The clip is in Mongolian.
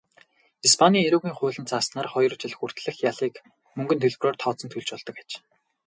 Испанийн эрүүгийн хуульд зааснаар хоёр жил хүртэлх ялыг мөнгөн төлбөрөөр тооцон төлж болдог аж.